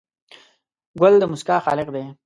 ګل د موسکا خالق دی.